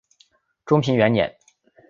中平元年。